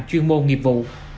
chuyên môn nghiệp vụ